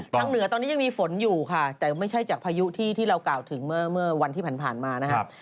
เหนือตอนนี้ยังมีฝนอยู่ค่ะแต่ไม่ใช่จากพายุที่เรากล่าวถึงเมื่อวันที่ผ่านมานะครับ